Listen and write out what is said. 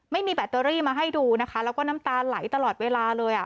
แบตเตอรี่มาให้ดูนะคะแล้วก็น้ำตาไหลตลอดเวลาเลยอ่ะ